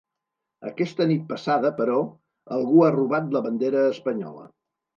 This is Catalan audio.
Aquesta nit passada, però, algú ha robat la bandera espanyola.